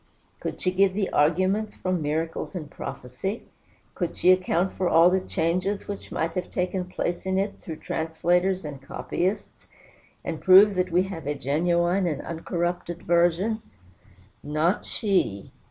Could she give the arguments from miracles and prophecy? Could she account for all the changes which might have taken place in it through translators and copyists, and prove that we have a genuine and uncorrupted version? Not she!